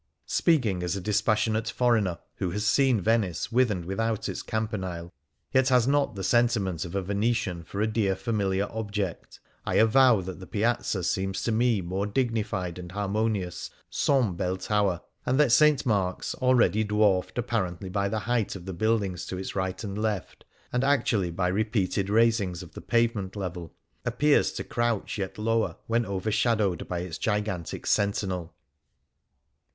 "'"* Speaking as a dispassionate foreigner, who has seen Venice with and without its Campanile, yet has not the sentiment of a Venetian for a dear 59 Things Seen in Venice familiar object, I avow that the Piazza seems to me more dignified ana harmonious sans Bell Tower, and that St. Mark's, already dwarfed apparently by the height of the buildings to its right and left, and actually by repeated raisings of the pavement level, appears to crouch yet lower when overshadowed by its gigantic sentinel.